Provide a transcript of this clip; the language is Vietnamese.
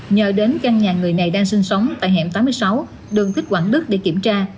nhờ đến căn nhà người này đang sinh sống tại hẻm tám mươi sáu đường thích quảng đức để kiểm tra